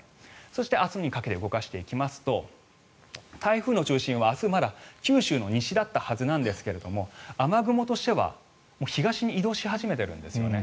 そして、明日にかけて動かしていきますと台風の中心は明日まだ九州の西だったはずなんですが雨雲としては、もう東に移動し始めているんですよね。